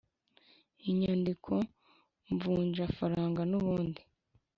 inyandiko mvunjwafaranga n ubundi